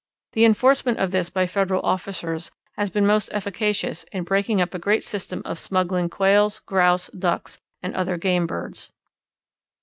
The enforcement of this by Federal officers has been most efficacious in breaking up a great system of smuggling Quails, Grouse, Ducks, and other game birds.